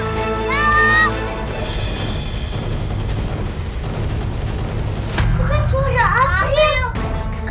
kalau sampai lagu goose pondok